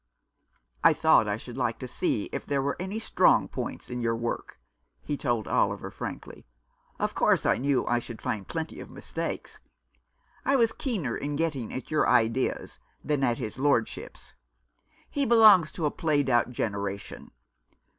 " I thought I should like to see if there were any strong points in your work," he told Oliver frankly. " Of course, I knew I should find plenty of mistakes. I was keener in getting at your ideas than at his lordship's. He belongs to a played out generation.